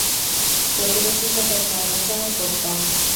প্রতিবেশীর সাথে খারাপ আচরণ করতাম।